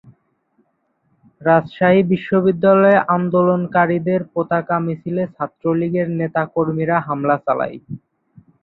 রাজশাহী বিশ্ববিদ্যালয়ে আন্দোলনকারীদের পতাকা মিছিলে ছাত্রলীগের নেতা-কর্মীরা হামলা চালায়।